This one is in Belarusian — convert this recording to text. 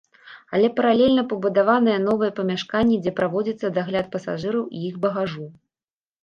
Але паралельна пабудаваныя новыя памяшканні, дзе праводзіцца дагляд пасажыраў і іх багажу.